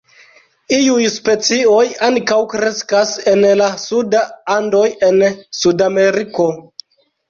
Iuj specioj ankaŭ kreskas en la suda Andoj en Sudameriko.